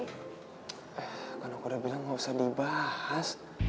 eh kan aku udah bilang gak usah dibahas